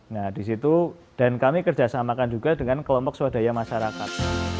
nah di situ dan kami kerjasamakan juga dengan kelompok swadaya masyarakat